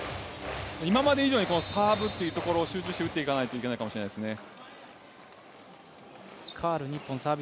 今まで以上にサーブというところ集中して打っていかないといけないかもしれないですね。